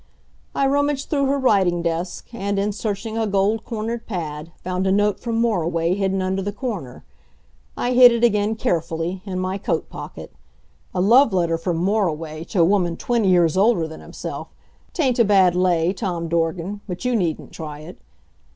I rummaged through her writing desk, and, in searching a gold cornered pad, found a note from Moriway hidden under the corner. I hid it again carefully in my coat pocket. A love letter from Moriway, to a woman twenty years older than himself 'tain't a bad lay, Tom Dorgan, but you needn't try it.